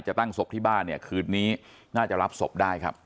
ตั้งศพที่บ้านเนี่ยคืนนี้น่าจะรับศพได้ครับ